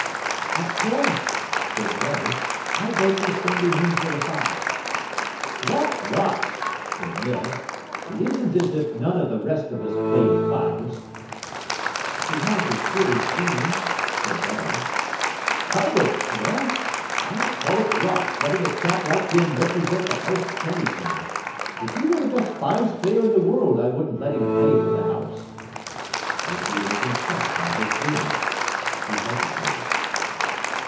"Of course," said Barry. "I vote we send him in for the Fives." "What rot!" said Mill. "It isn't as if none of the rest of us played fives." "We aren't as good as Sheen," said Barry. "I don't care. I call it rot letting a chap like him represent the house at anything. If he were the best fives player in the world I wouldn't let him play for the house." Rigby was impressed by his vehemence. He hesitated.